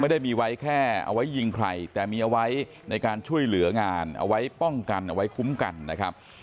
ไม่ได้มีไว้แค่เอาไว้ยิงใครแต่มีเอาไว้ในการช่วยเหลืองานเอาไว้ป้องกันเอาไว้คุ้มกันนะครับ